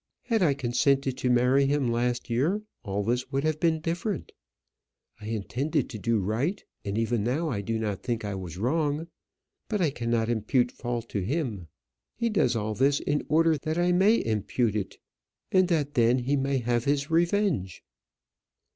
Had I consented to marry him last year, all this would have been different. I intended to do right, and even now I do not think that I was wrong. But I cannot impute fault to him. He does all this in order that I may impute it, and that then he may have his revenge."